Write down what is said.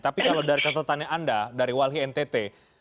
tapi kalau dari catatannya anda dari walhi ntt